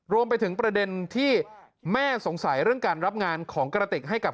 รวมไปถึงประเด็นที่แม่สงสัยเรื่องการรับงานของกระติกให้กับ